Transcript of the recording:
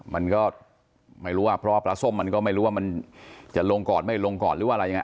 มันก็ไม่รู้ว่าเพราะว่าปลาส้มมันก็ไม่รู้ว่ามันจะลงก่อนไม่ลงก่อนหรือว่าอะไรยังไง